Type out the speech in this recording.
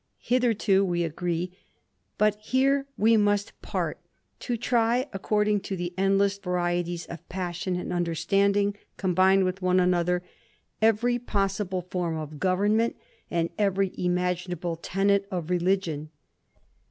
Hitherto we agree ; but here we must part, to try, according to the endless varieties of passion and understanding combined with one another, every 2g6 THE IDLER. possible form of governinent^ and every imaginable tenet of religion.